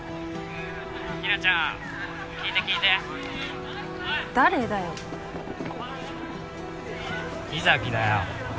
☎ひなちゃん聞いて聞いて誰だよ木崎だよ